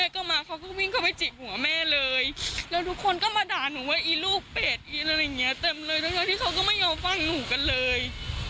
ที่เขาก็ไม่ยอมฟังหนูกันเลย